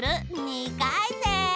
２かいせん！